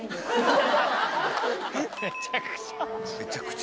めちゃくちゃ。